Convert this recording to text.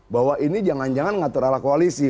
bahwa ini jangan jangan ngatur ala koalisi